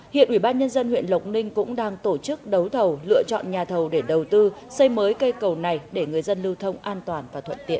hiện ubnd huyện lộc ninh cũng đang tổ chức đấu thầu lựa chọn nhà thầu để đầu tư xây mới cây cầu này để người dân lưu thông an toàn và thuận tiện